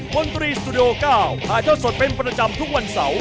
พลตรีสตูดิโอ๙ถ่ายทอดสดเป็นประจำทุกวันเสาร์